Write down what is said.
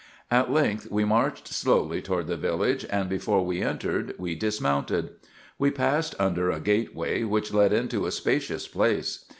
At length, we marched slowly toward the village, and before we entered we dismounted. We passed under a gateway, which led into a spacious place.